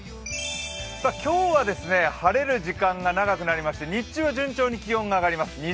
今日は晴れる時間が長くなりまして日中は順調に気温が上がります。